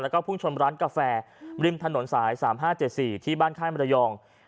แล้วก็พุ่งชนร้านกาแฟริมถนนสาย๓๕๗๔ที่บ้านค่ายมรยอง